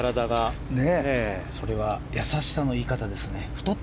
それは優しさの言い方ですね。